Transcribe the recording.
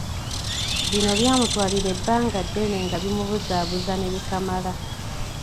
Bino byamutwalira ebbanga ddene nga bimubuzaabuza ne bikamala.